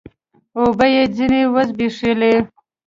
اوبه يې ځيني و زبېښلې